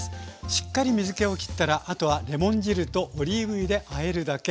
しっかり水けをきったらあとはレモン汁とオリーブ油であえるだけ。